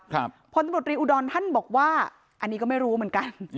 ผลตำรวจรีอุดรท่านบอกว่าอันนี้ก็ไม่รู้เหมือนกัน